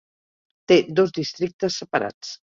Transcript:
Té dos districtes separats.